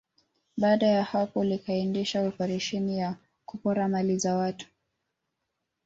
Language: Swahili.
Baada ya hapo likaendesha operesheni ya kupora mali za watu